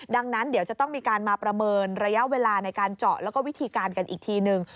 ดังนั้นเดี๋ยวจะต้องมีการมาประเมินระยะเวลาในการเจาะแล้วก็วิธีการกันอีกทีนึง